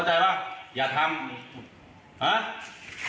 เจ้าพุมทิ้งเจ็บบอก